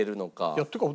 いやっていうか